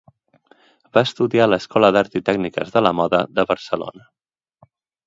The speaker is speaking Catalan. Va estudiar a l'Escola d'Art i Tècniques de la Moda de Barcelona.